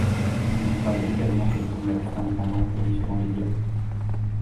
Il travaille également comme journaliste indépendant pour différents médias.